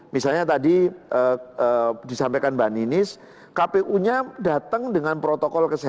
misalnya tadi disampaikan mbak ninis kpu nya datang dengan protokol kesehatan